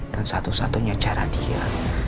dan satu satunya cara dia